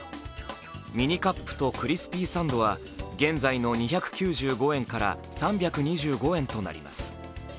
ミニカップとクリスピーサンドは現在の２９５円から３２５円となります。